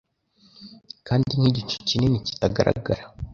Kandi nk'igicu kinini kitagaragara